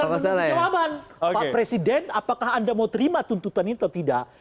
pengalaman pak presiden apakah anda mau terima tuntutan ini atau tidak